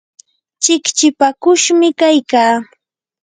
chikchipakushmi kaykaa.